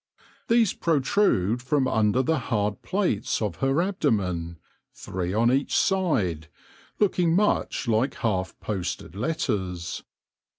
These protrude from under the hard plates of her abdomen, three on each side, looking much like half posted letters.